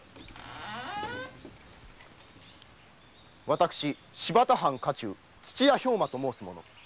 私新発田藩家中土屋兵馬と申す者。